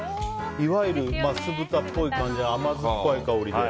いわゆる酢豚っぽい感じの甘酸っぱい香りで。